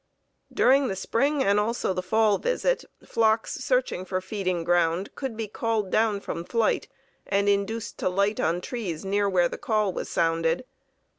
During the spring and also the fall visit, flocks searching for feeding ground could be called down from flight and induced to light on trees near where the call was sounded.